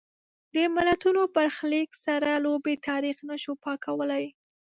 د ملتونو برخلیک سره لوبې تاریخ نه شو پاکولای.